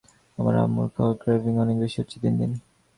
আমার আম্মুর খাওয়ার ক্রেভিং অনেক বেশি হচ্ছে দিন দিন।